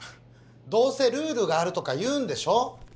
どうせ「ルールがある」とか言うんでしょ？